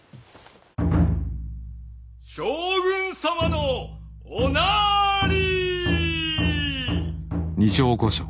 将軍様のおなり。